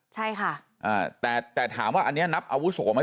ใช่ค่ะอ่าแต่แต่ถามว่าอันนี้นับอาวุโสไหม